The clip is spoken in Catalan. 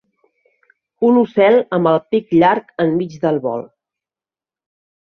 Un ocel amb el pic llarg enmig del vol.